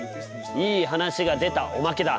いい話が出たおまけだ。